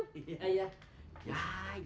silahkan duduk bang